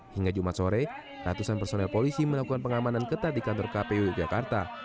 hingga jumat sore ratusan personel polisi melakukan pengamanan ketat di kantor kpu yogyakarta